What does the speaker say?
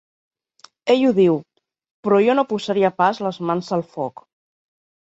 Ell ho diu, però jo no posaria pas les mans al foc.